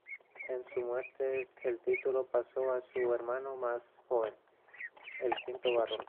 En su muerte el título pasó a su hermano más joven, el quinto Barón.